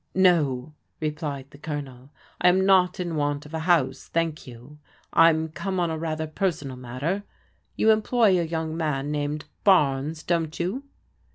"No," replied the Colonel, "I am not in want of a house, thank you. I'm come on a rather personal mat ter. You employ a young man named Barnes, don't you?"